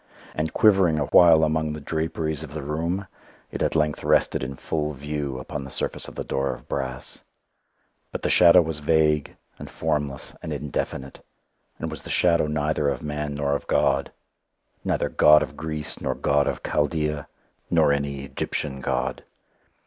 And quivering awhile among the draperies of the room it at length rested in full view upon the surface of the door of brass. But the shadow was vague, and formless, and indefinite, and was the shadow neither of man nor God neither God of Greece, nor God of Chaldæa, nor any Egyptian God.